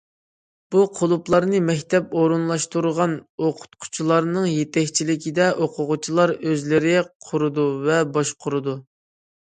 بۇ قۇلۇپلارنى مەكتەپ ئورۇنلاشتۇرغان ئوقۇتقۇچىلارنىڭ يېتەكچىلىكىدە ئوقۇغۇچىلار ئۆزلىرى قۇرىدۇ ۋە باشقۇرىدۇ.